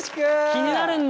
気になるんだ？